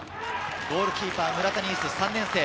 ゴールキーパー、村田新直・３年生。